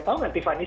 tahu nggak tiffany